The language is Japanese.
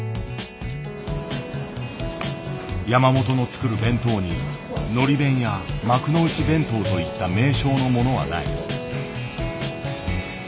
山本の作る弁当に「のり弁」や「幕の内弁当」といった名称のものはない。